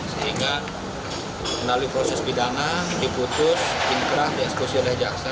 sehingga menalui proses pidana diputus diinkrah di eksklusif dari jaksa